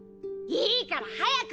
・いいから早く！